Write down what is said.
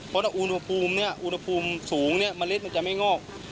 เพราะว่าอุณหภูมิสูงมะเร็ดมันจะไม่งอก